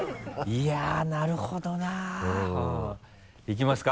いやっなるほどな。いきますか？